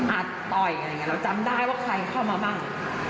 เราก็จำได้ว่าใครเข้ามาบ้าง